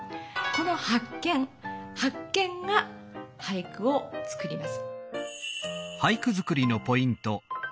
この発見「発見」が俳句をつくります。